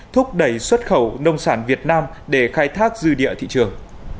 thúc đẩy xuất khẩu nông sản việt nam để khai thác dư địa thị trường